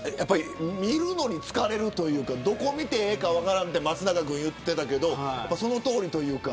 見るのに疲れるというかどこ見てええか分からんって松永君言うてたけどやっぱ、そのとおりというか。